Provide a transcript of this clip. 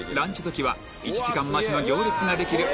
時は１時間待ちの行列ができる